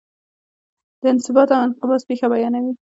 د انبساط او انقباض پېښه بیانوي.